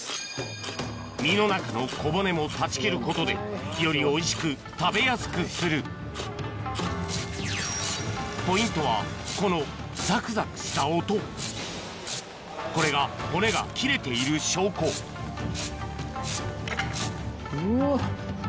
身の中の小骨も断ち切ることでよりおいしく食べやすくするポイントはこのザクザクした音これが骨が切れている証拠うわ。